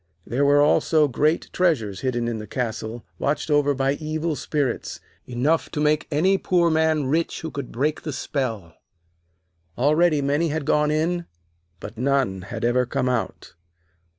There were also great treasures hidden in the castle, watched over by evil spirits, enough to make any poor man rich who could break the spell. Already many had gone in, but none had ever come out.